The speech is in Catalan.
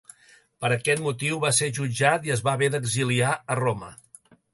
Per aquest motiu, va ser jutjat i es va haver d'exiliar a Roma.